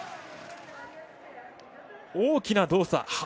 大きな動作。